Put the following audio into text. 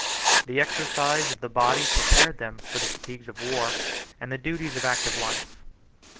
The exercise of the body prepared them for the fatigues of war and the duties of active life.